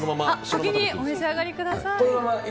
先にお召し上がりください。